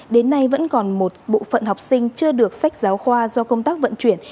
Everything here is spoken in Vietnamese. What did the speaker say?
đến nay vẫn còn một bộ phận học sinh chưa được sách giáo khoa do công tác vận chuyển